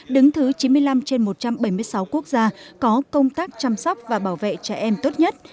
đứng thứ chín mươi năm trên một trăm bảy mươi sáu quốc gia có công tác chăm sóc và bảo vệ trẻ em tốt nhất